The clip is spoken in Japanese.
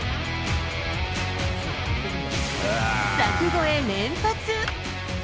柵越え連発。